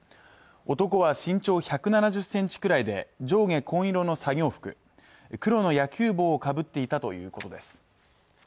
男は身長１７０ｃｍぐらいで上下紺色の作業服、黒の野球帽をかぶっていたということです。